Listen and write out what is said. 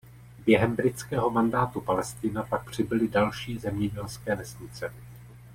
Během britského mandátu Palestina pak přibyly další zemědělské vesnice.